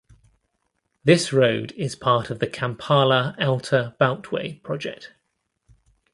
This road is part of the Kampala Outer Beltway Project.